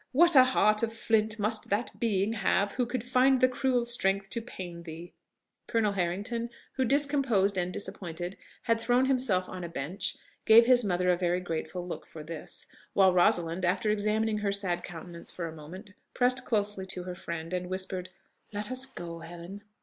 what a heart of flint must that being have who could find the cruel strength to pain thee!" Colonel Harrington, who, discomposed and disappointed, had thrown himself on a bench, gave his mother a very grateful look for this; while Rosalind, after examining her sad countenance for a moment, pressed closely to her friend and whispered, "Let us go, Helen."